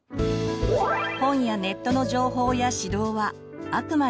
本やネットの情報や指導はあくまでも「目安」。